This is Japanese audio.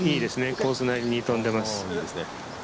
コース内に飛んでいます。